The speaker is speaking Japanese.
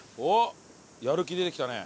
やる気出てきたね。